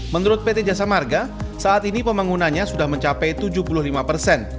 menurut pt jasa marga saat ini pembangunannya sudah mencapai tujuh puluh lima persen